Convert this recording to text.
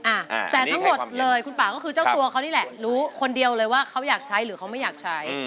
อ่าแต่ทั้งหมดเลยคุณป่าก็คือเจ้าตัวเขานี่แหละรู้คนเดียวเลยว่าเขาอยากใช้หรือเขาไม่อยากใช้